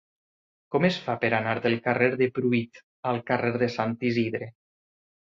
Com es fa per anar del carrer de Pruit al carrer de Sant Isidre?